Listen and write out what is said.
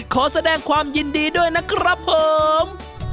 ขอแสดงความยินดีด้วยนะครับผม